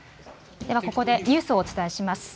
ではここでニュースをお伝えします。